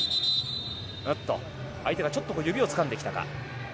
相手がちょっと指をつかんできたか。